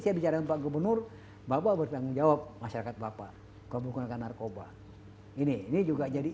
saya bicara pak gubernur bapak bertanggung jawab masyarakat bapak kamu bukan narkoba ini ini juga jadi